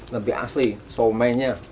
lebih asli somenya